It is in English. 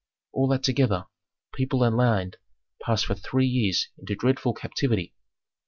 All that together: people and land pass for three years into dreadful captivity.